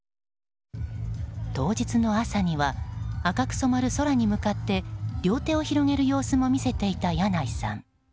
当日の朝には赤く染まる空に向かって両手を広げる様子も見せていたヤナイさん。